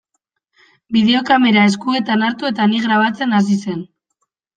Bideokamera eskuetan hartu eta ni grabatzen hasi zen.